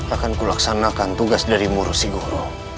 akan kulaksanakan tugas dari muru si guru